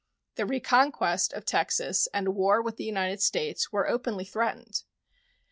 The reconquest of Texas and war with the United States were openly threatened.